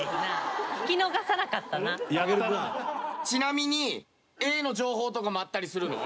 ちなみにＡの情報とかもあったりするの？